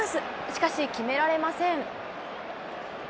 しかし決められません。